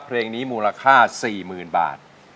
เพลงนี้มูลค่า๔๐๐๐บาท